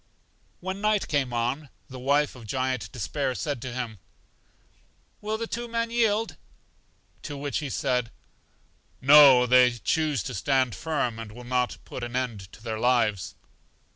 When night came on, the wife of Giant Despair said to him: Well, will the two men yield? To which he said: No; they choose to stand firm, and will not put an end to their lives.